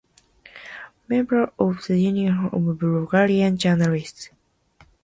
Member of The Union of Bulgarian journalists.